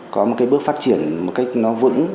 có một cái bước phát triển một cách nó vững